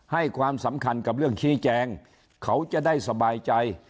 ให้ความสำคัญกับเรื่องชี้แจงเขาจะได้สบายใจ